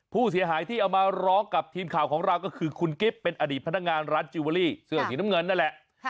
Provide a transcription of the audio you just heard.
ผู้เสียหายที่เอามาร้องกับทีมข่าวของเราก็คือคุณกิฟต์เป็นอดีตพนักงานร้านจิลเวอรี่เสื้อสีน้ำเงินนั่นแหละ